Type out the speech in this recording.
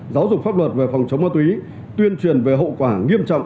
giáo dục pháp luật về phòng chống ma túy tuyên truyền về hậu quả nghiêm trọng